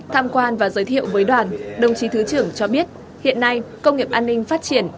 tham quan và giới thiệu với đoàn đồng chí thứ trưởng cho biết hiện nay công nghiệp an ninh phát triển